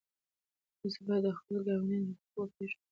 تاسو باید د خپلو ګاونډیانو حقوق وپېژنئ.